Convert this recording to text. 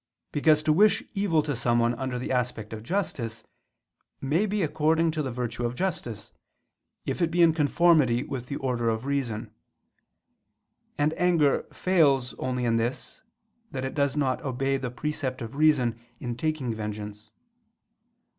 Because to wish evil to someone under the aspect of justice, may be according to the virtue of justice, if it be in conformity with the order of reason; and anger fails only in this, that it does not obey the precept of reason in taking vengeance.